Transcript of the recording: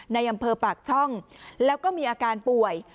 ในอำเภอปากช่องแล้วก็มีอาการป่วย